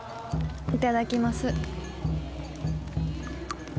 いただきます。